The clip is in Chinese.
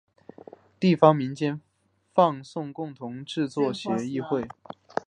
地方民间放送共同制作协议会。